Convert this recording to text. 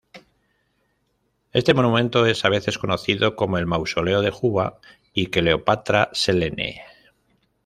Este monumento es a veces conocido como el "Mausoleo de Juba y Cleopatra Selene".